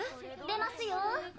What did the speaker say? ・出ますよ。